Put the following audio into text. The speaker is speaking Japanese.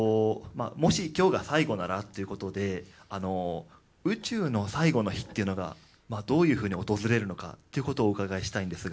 もし今日が最後ならということであの宇宙の最後の日っていうのがどういうふうに訪れるのかということをお伺いしたいんですが。